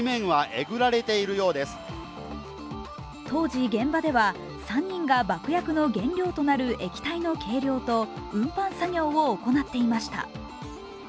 当時、現場では３人が爆薬の原料となる液体の計量と運搬作業を行っていました。